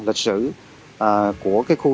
lịch sử của khu